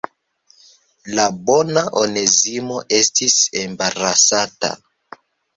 La bona Onezimo estis embarasata.